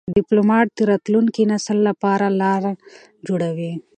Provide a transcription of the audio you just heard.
ډيپلومات د راتلونکي نسل لپاره لار جوړوي.